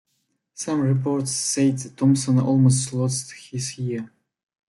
Some reports said Thomson almost lost his ear.